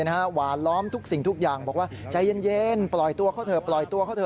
หวานล้อมทุกสิ่งทุกอย่างบอกว่าใจเย็นปล่อยตัวเขาเถอะ